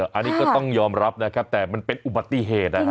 อันนี้ก็ต้องยอมรับนะครับแต่มันเป็นอุบัติเหตุ